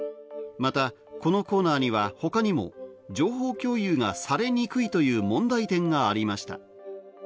またこのコーナーには他にも情報共有がされにくいという問題点がありました。